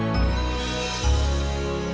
silakan goneg stemora di kolam kebeling